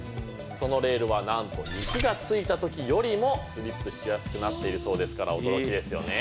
そのレールはなんと雪が付いた時よりもスリップしやすくなっているそうですから驚きですよね。